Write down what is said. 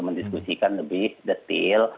mendiskusikan lebih detil